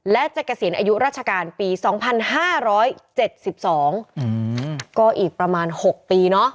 และจะเกษียณอายุราชการปี๒๕๗๒ก็อีกประมาณ๖ปีเนาะ